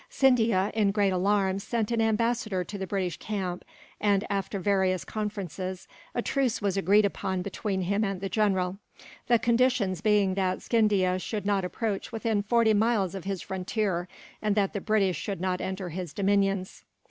Scindia, in great alarm, sent an ambassador to the British camp and, after various conferences, a truce was agreed upon between him and the general; the conditions being that Scindia should not approach within forty miles of his frontier, and that the British should not enter his dominions.